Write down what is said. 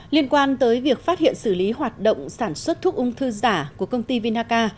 liên quan tới việc phát hiện xử lý hoạt động sản xuất thuốc ung thư giả của công ty vinaca